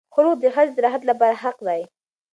خلع د ښځې د راحت لپاره حق دی.